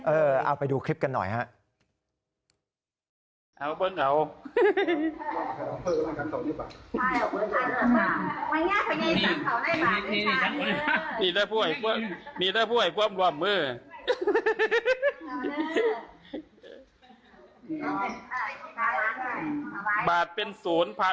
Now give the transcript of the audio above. เอาไปดูคลิปกันหน่อยฮะ